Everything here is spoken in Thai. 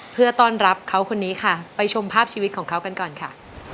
เพื่อต้อนรับเขาคนนี้ค่ะไปชมภาพชีวิตของเขากันก่อนค่ะ